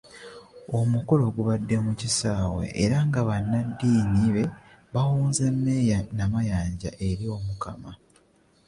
Omukolo gubadde ku kisaawe era nga bannaddiini be bawonze Mmeeya Namayanja eri Omukama.